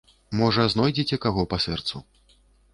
Можа, знойдзеце каго па сэрцу.